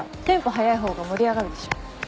速い方が盛り上がるでしょ。